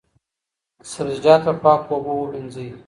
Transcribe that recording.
سبزیجات په پاکو اوبو ووینځئ.